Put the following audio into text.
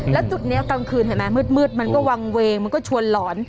แล้วจุดนี้กลางคืนเห็นไหมมืดมันก็วางเวงมันก็ชวนหลอน